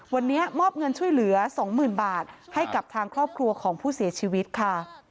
วันนี้มอบเงินช่วยเหลือ๒๐๐๐บาทให้กับทางครอบครัวของผู้เสียชีวิตค่ะ